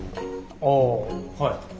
ああはい。